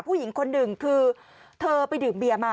ผู้หญิงคนหนึ่งคือเธอไปดื่มเบียร์มา